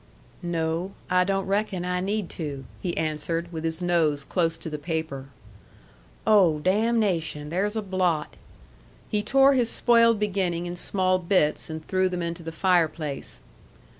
"No, I don't reckon I need to," he answered, with his nose close to the paper. "Oh, damnation, there's a blot!" He tore his spoiled beginning in small bits, and threw them into the fireplace.